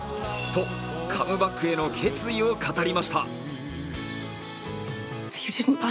とカムバックへの決意を語りました。